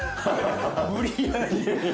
無理やり！